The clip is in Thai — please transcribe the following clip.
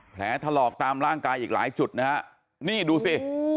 แผลถลอกตามร่างกายอีกหลายจุดนะฮะนี่ดูสิ